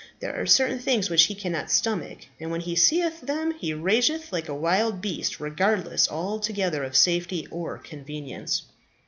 There are certain things which he cannot stomach, and when he seeth them he rageth like a wild beast, regardless altogether of safety or convenience."